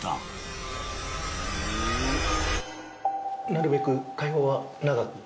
なるべく会話は長く。